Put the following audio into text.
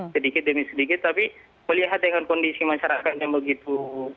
sedikit demi sedikit tapi melihat dengan kondisi masyarakat yang begitu